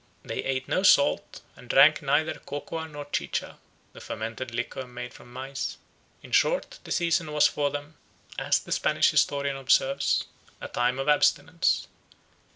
They ate no salt, and drank neither cocoa nor chicha, the fermented liquor made from maize; in short the season was for them, as the Spanish historian observes, a time of abstinence.